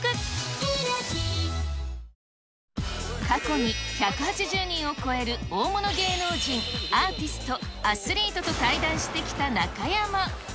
過去に、１８０人を超える大物芸能人、アーティスト、アスリートと対談してきた中山。